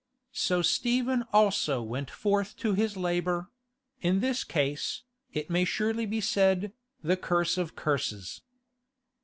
So Stephen also went forth to his labour—in this case, it may surely be said, the curse of curses.